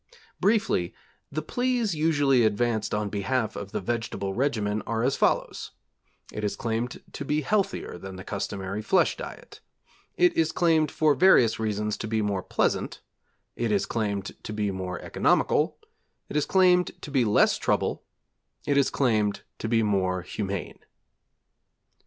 Briefly, the pleas usually advanced on behalf of the vegetable regimen are as follows: It is claimed to be healthier than the customary flesh diet; it is claimed for various reasons to be more pleasant; it is claimed to be more economical; it is claimed to be less trouble; it is claimed to be more humane.